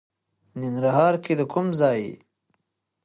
ننګرهار کې د کوم ځای؟